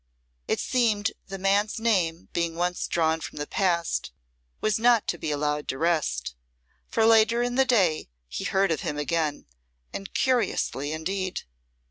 It seemed the man's name being once drawn from the past was not to be allowed to rest, for later in the day he heard of him again, and curiously indeed.